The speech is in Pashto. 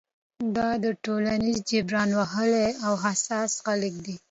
دا د ټولنیز جبر وهلي او حساس خلک دي.